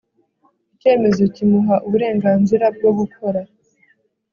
icyemezo kimuha uburenganzira bwo gukora